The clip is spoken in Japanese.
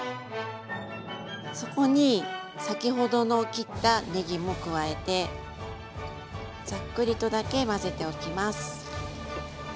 そこに先ほどの切ったねぎも加えてざっくりとだけ混ぜておきます。